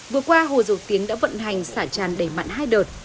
vừa qua hồ dầu tiếng đã vận hành xả tràn đẩy mặn hai đợt